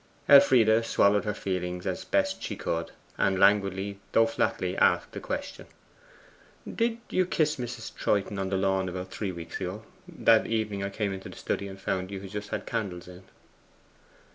Elfride swallowed her feelings as she best could, and languidly though flatly asked a question. 'Did you kiss Mrs. Troyton on the lawn about three weeks ago? That evening I came into the study and found you had just had candles in?